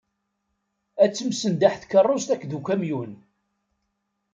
Ad temsenḍaḥ tkerrust akked ukamyun.